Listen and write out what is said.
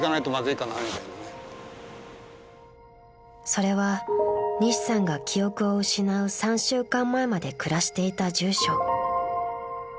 ［それは西さんが記憶を失う３週間前まで暮らしていた住所］